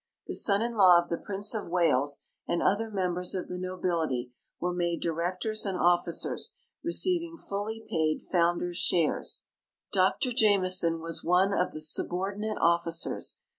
The son in law of the Prince of Wales and other members of the nobility were made directors and officers, receiving full paid founders' shares. Dr Jameson was one of the subordinate officers.